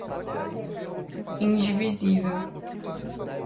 indivisível